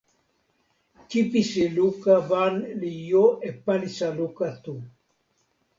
kipisi luka wan li jo e palisa luka tu.